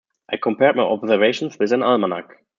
I compared my observations with an almanac.